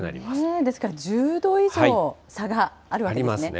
ですから１０度以上、差があるわけですね。